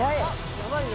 やばいな。